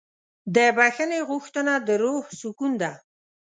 د بښنې غوښتنه د روح سکون ده.